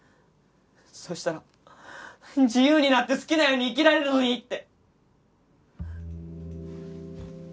そしたら自由になって好きなように生きられるのにって。